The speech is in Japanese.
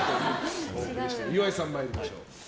岩井さん、参りましょう。